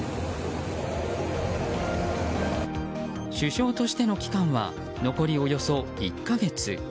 首相としての期間は残りおよそ１か月。